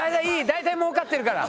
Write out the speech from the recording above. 大体もうかってるから。